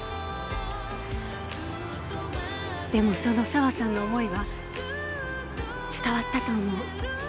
でもその沢さんの思いは伝わったと思う。